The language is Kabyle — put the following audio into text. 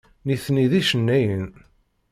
Nitni d icennayen.